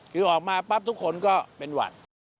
คือออกมาปั๊บทุกคนก็เป็นหวัด